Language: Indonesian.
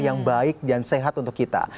yang baik dan sehat untuk kita